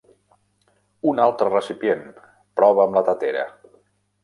Un altre recipient! Prova amb la tetera.